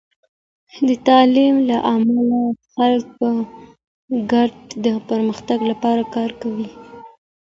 د تعلیم له امله، خلک په ګډه د پرمختګ لپاره کار کوي.